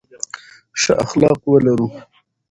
ښه اخلاق ولرو.